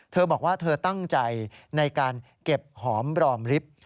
เธอบอกว่าเธอตั้งใจในการเก็บหอมรอมริฟท์